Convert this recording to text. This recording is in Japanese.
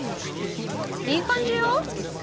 いい感じよ。